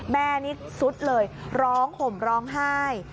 แม่นี่สุดเลยร้องห่มร้องไห้